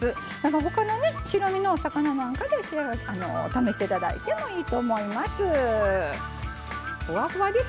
ほかの白身のお魚なんかでも試していただいてもいいと思います。